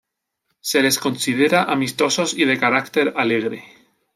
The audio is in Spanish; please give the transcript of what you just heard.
Se les considera amistosos y de carácter alegre.